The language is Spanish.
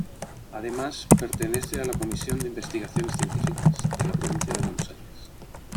Además pertenece a la Comisión de investigaciones científicas, de la provincia de Buenos Aires.